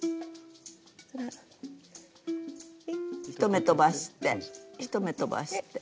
１目とばして１目とばして。